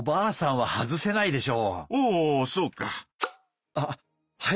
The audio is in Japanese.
おおそうか。